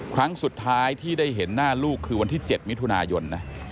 ครั้งสุดท้ายที่ได้เห็นหน้าลูกคือวันที่๗มิถุนายนนะ